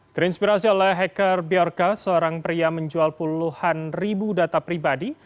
terinspirasi oleh hacker bjorka seorang pria menjual puluhan ribu data pribadi